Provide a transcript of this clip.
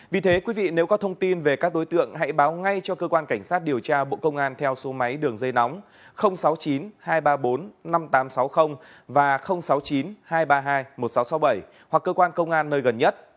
vì thế quý vị nếu có thông tin về các đối tượng hãy báo ngay cho cơ quan cảnh sát điều tra bộ công an theo số máy đường dây nóng sáu mươi chín hai trăm ba mươi bốn năm nghìn tám trăm sáu mươi và sáu mươi chín hai trăm ba mươi hai một nghìn sáu trăm sáu mươi bảy hoặc cơ quan công an nơi gần nhất